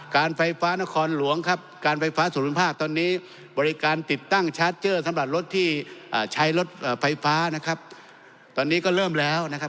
การไฟฟ้านครหลวงครับการไฟฟ้าส่วนภูมิภาคตอนนี้บริการติดตั้งชาร์จเจอร์สำหรับรถที่ใช้รถไฟฟ้านะครับตอนนี้ก็เริ่มแล้วนะครับ